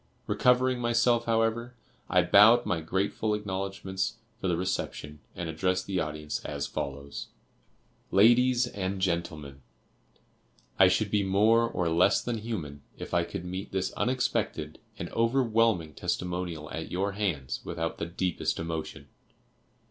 Recovering myself, however, I bowed my grateful acknowledgments for the reception, and addressed the audience as follows: "LADIES AND GENTLEMEN: I should be more or less than human, if I could meet this unexpected and overwhelming testimonial at your hands, without the deepest emotion.